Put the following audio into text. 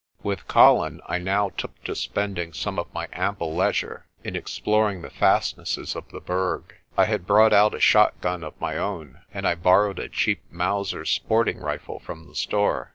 With Colin, I now took to spending some of my ample leisure in exploring the fastnesses of the Berg. I had brought out a shotgun of my own, and I borrowed a cheap Mauser sporting rifle from the store.